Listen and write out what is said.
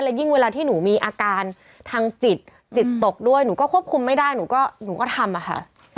ยิ่งเวลาที่หนูมีอาการทางจิตจิตตกด้วยหนูก็ควบคุมไม่ได้หนูก็หนูก็ทำอะค่ะ